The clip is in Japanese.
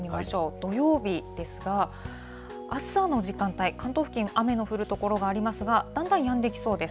土曜日ですが、朝の時間帯、関東付近、雨の降る所がありますが、だんだんやんできそうです。